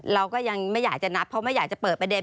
เราก็ยังไม่อยากจะนับเพราะไม่อยากจะเปิดประเด็น